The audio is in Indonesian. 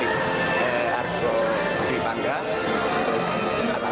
kita harus berharga berharga berharga